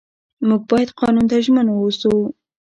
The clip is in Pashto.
موږ باید قانون ته ژمن واوسو